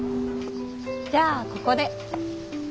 じゃあここで。